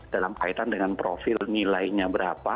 dalam kaitan dengan profil nilainya berapa